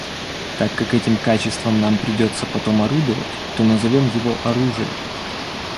Так как этим качеством нам придется потом орудовать, то назовем его оружие.